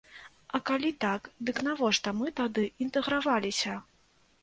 А калі так, дык навошта мы тады інтэграваліся?